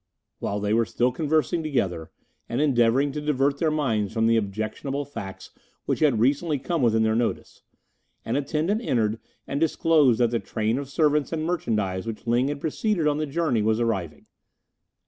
While they were still conversing together, and endeavouring to divert their minds from the objectionable facts which had recently come within their notice, an attendant entered and disclosed that the train of servants and merchandise which Ling had preceded on the journey was arriving.